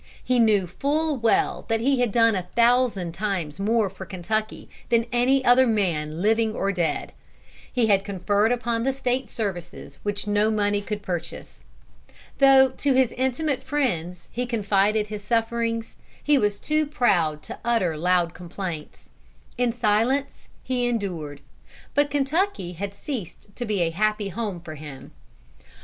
He knew full well that he had done a thousand times more for Kentucky than any other man living or dead. He had conferred upon the State services which no money could purchase. Though to his intimate friends he confided his sufferings, he was too proud to utter loud complaints. In silence he endured. But Kentucky had ceased to be a happy home for him.